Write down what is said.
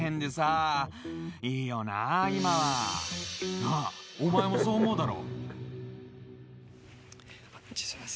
なあお前もそう思うだろ？